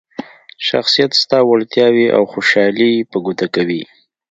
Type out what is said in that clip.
شخصیت ستا وړتیاوې او خوشحالي په ګوته کوي.